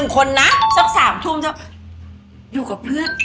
๑คนนะสัก๓ทุ่มจะอยู่กับเพื่อน